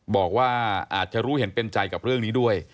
บอกว่าอาจจะรู้เห็นเป็นใจกับเรื่องนี้ด้วย